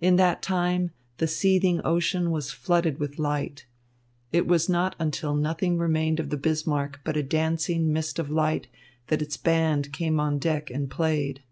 In that time the seething ocean was flooded with light. It was not until nothing remained of the Bismarck but a dancing mist of light that its band came on deck and played.